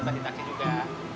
pada taksi juga